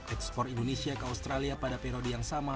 ekspor indonesia ke australia pada periode yang sama